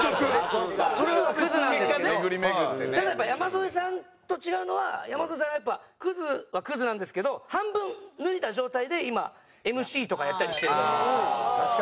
それはクズなんですけどただやっぱり山添さんと違うのは山添さんはやっぱクズはクズなんですけど半分脱いだ状態で今ＭＣとかやったりしてるじゃないですか。